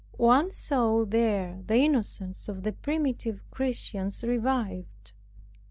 One saw there the innocence of the primitive Christians revived.